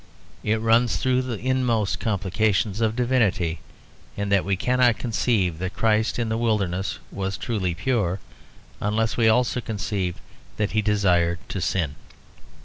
It runs through the inmost complications of divinity, in that we cannot conceive that Christ in the wilderness was truly pure, unless we also conceive that he desired to sin.